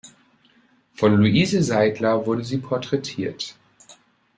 Von Louise Seidler wurde sie porträtiert.